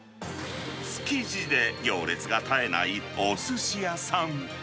築地で行列が絶えないおすし屋さん。